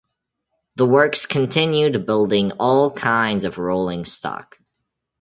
The works continued building all kinds of rolling stock.